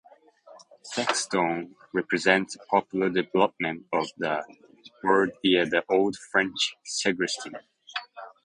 "Sexton" represents the popular development of the word via the Old French "Segrestein".